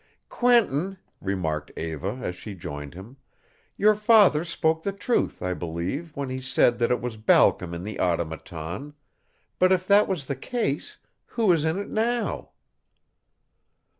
"Quentin," remarked Eva, as she joined him, "your father spoke the truth, I believe, when he said that it was Balcom in the Automaton, But if that was the case, who is in it now?"